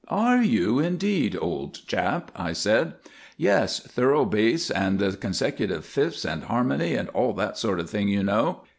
"Are you indeed, old chap," I said. "Yes, thorough bass, and consecutive fifths and harmony and all that sort of thing, you know.